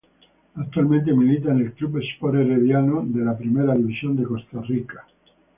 Actualmente milita en el Club Sport Herediano de la Primera División de Costa Rica.